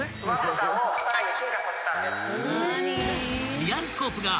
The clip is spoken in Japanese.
［リアルスコープが］